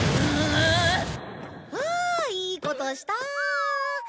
ああいいことした！